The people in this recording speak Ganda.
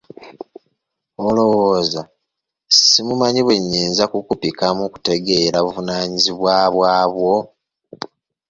olowooza simumanyi bwe nnyinza kukupikamu kutegeera buvunaanyizibwabwo